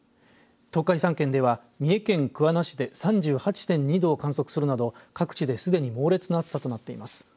東海３県では、三重県桑名市で３８．２度を観測するなど各地で、すでに猛烈な暑さとなっています。